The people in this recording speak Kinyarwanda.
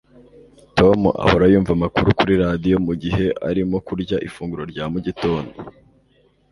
tom ahora yumva amakuru kuri radio mugihe arimo kurya ifunguro rya mugitondo